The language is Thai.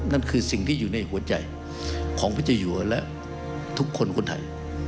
นั่นคือสิ่งที่อยู่ในหัวใจของพระเจ้าอยู่และทุกคนคนไทย